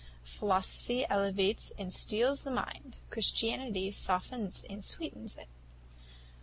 Philosophy elevates and steels the mind, Christianity softens and sweetens it.